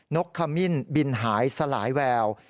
กขมิ้นบินหายสลายแวว